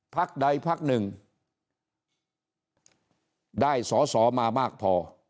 พักใดพักหนึ่งได้สอสอมามากพอ